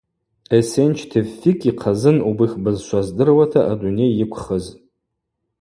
Эсенч Тевфик йхъазын убых бызшва здыруата адуней йыквхыз.